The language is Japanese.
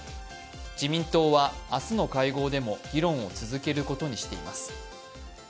自民党は明日の会合でも議論を続けることにしています。